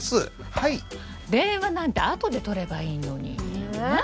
はい電話なんてあとで取ればいいのにねえねえ